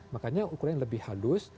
makanya ukuran lebih halus